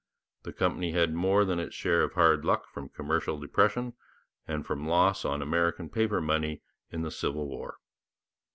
The company had more than its share of hard luck from commercial depression, and from loss on American paper money in the Civil War.